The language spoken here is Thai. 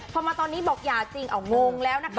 พอมาตอนนี้บอกหย่าจริงเอางงแล้วนะคะ